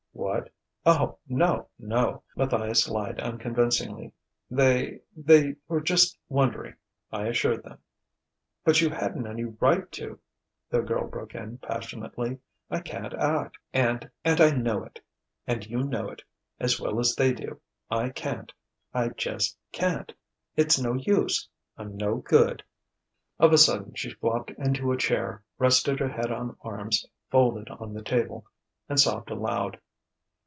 "What? Oh, no, no!" Matthias lied unconvincingly. "They they were just wondering.... I assured them " "But you hadn't any right to!" the girl broke in passionately. "I can't act and and I know it, and you know it, as well as they do. I can't I just can't! It's no use.... I'm no good...." Of a sudden she flopped into a chair, rested her head on arms folded on the table, and sobbed aloud.